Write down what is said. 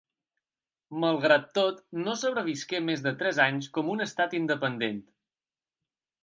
Malgrat tot, no sobrevisqué més de tres anys com un estat independent.